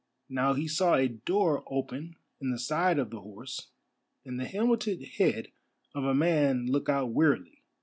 Now he saw a door open in the side of the horse, and the helmeted head of a man look out wearily.